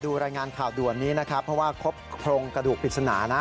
รายงานข่าวด่วนนี้นะครับเพราะว่าครบโครงกระดูกปริศนานะ